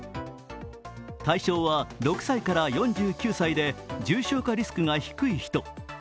対象は６歳から４９歳で、重症化リスクが低い人。